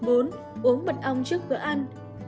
bốn uống mật ong trước cửa ăn